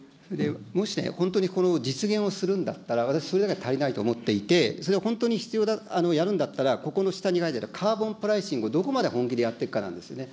もしね、本当に実現をするんだったら、私それだけじゃ足りないと思っていて、本当にやるんだったら、ここの下に書いてあるカーボンプライシングをどこまで本気でやっていくかなんですよね。